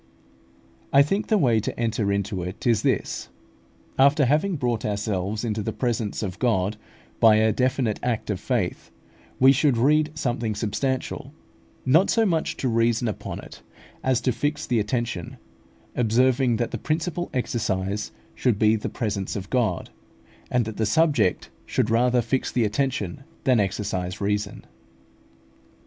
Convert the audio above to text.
I think the way to enter into it is this: After having brought ourselves into the presence of God by a definite act of faith, we should read something substantial, not so much to reason upon it, as to fix the attention, observing that the principal exercise should be the presence of God, and that the subject should rather fix the attention than exercise reason.